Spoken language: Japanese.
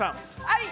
はい！